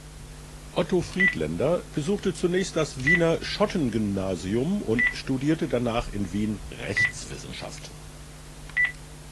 Otto Friedländer besuchte zunächst das Wiener Schottengymnasium und studierte danach in Wien Rechtswissenschaften.